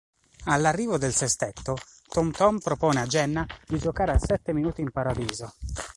All'arrivo del sestetto, Tom-Tom propone a Jenna di giocare a "sette minuti in paradiso".